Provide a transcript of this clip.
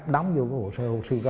đóng vô một sơ hồ sư